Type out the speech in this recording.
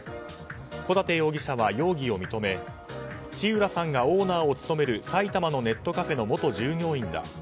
小舘容疑者は容疑を認め知浦さんがオーナーを務める埼玉のネットカフェの元従業員だ。